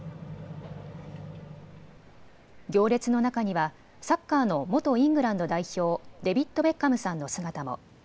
行列の中にはサッカーの元イングランド代表、デビッド・ベッカムさんの姿も。